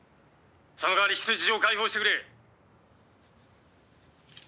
「その代わり人質を解放してくれ」